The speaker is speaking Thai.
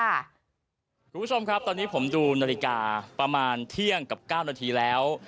คุณผู้ชมครับตอนนี้ผมดูนาฬิกาประมาณเที่ยงกับ๙นาทีแล้ว